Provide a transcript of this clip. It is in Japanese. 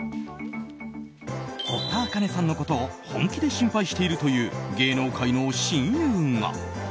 堀田茜さんのことを本気で心配しているという芸能界の親友が。